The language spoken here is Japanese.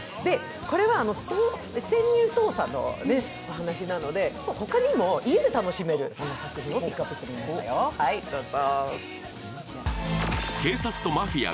これは潜入捜査の話なので、他にも家で楽しめる作品をピックアップしてみましたよ、どうぞ。